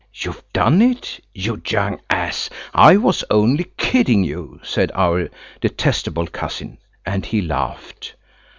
"You've done it? You young ass, I was only kidding you!" said our detestable cousin. And he laughed.